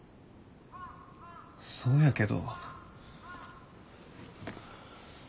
そうやけど。